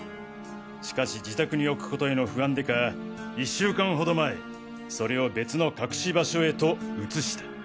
しかし自宅に置くことへの不安でか１週間ほど前それを別の隠し場所へと移した。